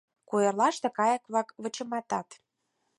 Куэрлаште кайык-влак вычыматат.